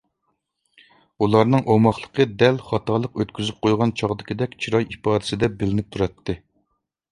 ئۇلارنىڭ ئوماقلىقى دەل خاتالىق ئۆتكۈزۈپ قويغان چاغدىكىدەك چىراي ئىپادىسىدە بىلىنىپ تۇراتتى.